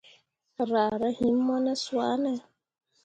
Raa rah him mo ne swane ?